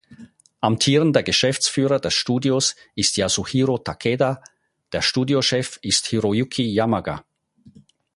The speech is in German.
Amtierender Geschäftsführer des Studios ist Yasuhiro Takeda, der Studiochef ist Hiroyuki Yamaga.